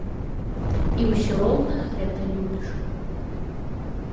І ўсё роўна гэта любіш.